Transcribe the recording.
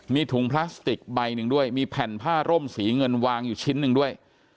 มีถุงพลาสติกใบหนึ่งด้วยมีแผ่นผ้าร่มสีเงินวางอยู่ชิ้นหนึ่งด้วย